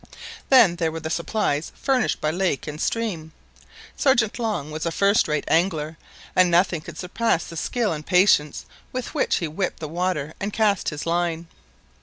Then there were the supplies furnished by lake and stream. Sergeant Long was a first rate angler, and nothing could surpass the skill and patience with which he whipped the water and cast his line.